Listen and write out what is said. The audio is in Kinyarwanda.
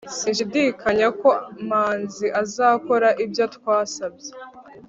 sinshidikanya ko manzi azakora ibyo twasabye